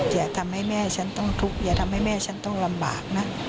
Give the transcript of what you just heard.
อย่าทำให้แม่ฉันต้องทุกข์อย่าทำให้แม่ฉันต้องลำบากนะ